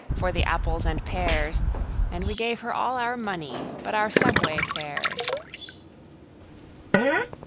for the apples and pears, And we gave her all our money but our subway fares.